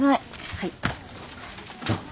はい。